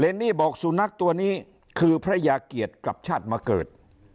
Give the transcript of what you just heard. นี่บอกสุนัขตัวนี้คือพระยาเกียรติกลับชาติมาเกิด